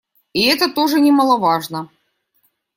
И это тоже немаловажно.